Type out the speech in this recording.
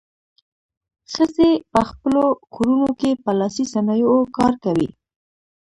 ښځې په خپلو کورونو کې په لاسي صنایعو کار کوي.